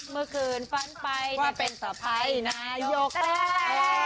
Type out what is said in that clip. เมื่อคืนฝันไปว่าเป็นสะพายนายกแปลก